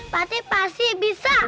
fatih pasti bisa